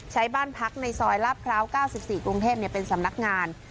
บ้านพักในซอยลาดพร้าว๙๔กรุงเทพเป็นสำนักงาน